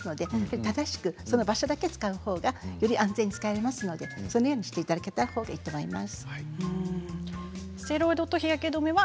正しくその場所だけ使えば安全に使えますのでそのようにしていただけたらいいと思います。